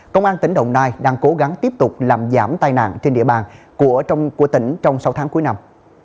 công an tỉnh đồng nai đang cố gắng tiếp tục làm giảm tai nạn trên địa bàn của tỉnh trong sáu tháng cuối năm